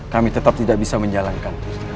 kami tetap tidak bisa menjalankan